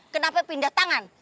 kenapa pindah tangan